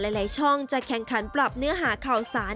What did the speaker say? หลายช่องจะแข่งขันปรับเนื้อหาข่าวสาร